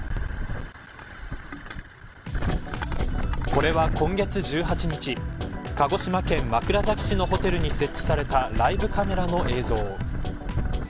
これは今月１８日鹿児島県枕崎市のホテルに設置されたライブカメラの映像。